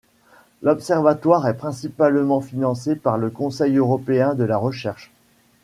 L'observatoire est principalement financé par le Conseil européen de la recherche.